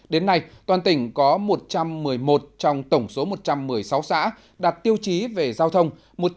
đến nay toàn tỉnh có một trăm một mươi một trong tổng số một trăm một mươi sáu xã đặt tiêu chí về giao thông